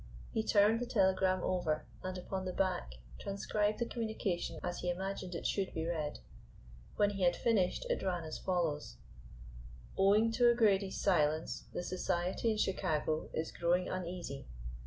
He turned the telegram over, and upon the back transcribed the communication as he imagined it should be read. When he had finished, it ran as follows: Owing to O'Grady's silence, the Society in Chicago is growing uneasy.